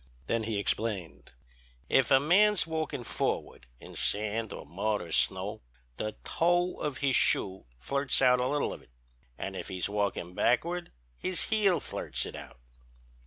Then he explained: 'If a man's walkin' forward in sand or mud or snow the toe of his shoe flirts out a little of it, an' if he's walkin' backward his heel flirts it out.'